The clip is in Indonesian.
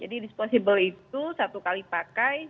jadi disposable itu satu kali pakai